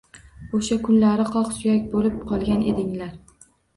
O‘sha kunlari qoq suyak bo‘lib qolgan edinglar